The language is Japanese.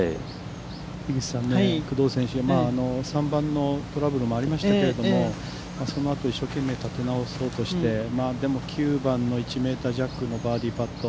樋口さん、工藤選手、３番のトラブルもありましたけれども、そのあと、一生懸命立て直そうとしてでも、９番の１ｍ弱のバーディーパット。